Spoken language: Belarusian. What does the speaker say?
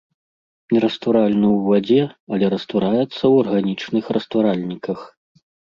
Нерастваральны ў вадзе, але раствараецца ў арганічных растваральніках.